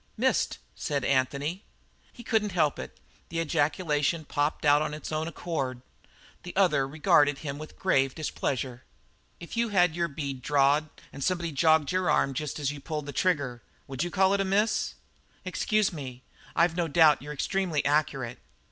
"Missed!" said Anthony. He couldn't help it; the ejaculation popped out of its own accord. The other regarded him with grave displeasure. "If you had your bead drawed an' somebody jogged your arm jest as you pulled the trigger, would you call it a miss?" "Excuse me. I've no doubt you're extremely accurate."